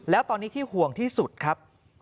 แล้วตอนนี้ที่ห่วงที่สุดครับ